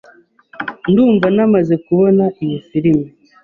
Ndumva namaze kubona iyi firime.